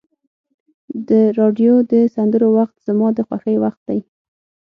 د راډیو د سندرو وخت زما د خوښۍ وخت دی.